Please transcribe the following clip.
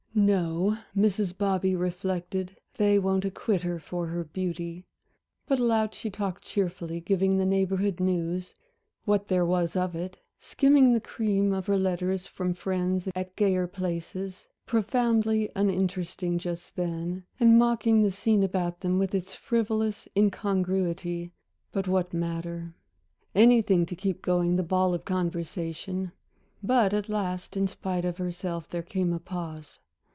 "No," Mrs. Bobby reflected, "they won't acquit her for her beauty." But aloud she talked cheerfully, giving the Neighborhood news what there was of it, skimming the cream of her letters from friends at gayer places profoundly uninteresting just then, and mocking the scene about them with its frivolous incongruity but what matter. Anything to keep going the ball of conversation! But at last, in spite of herself, there came a pause.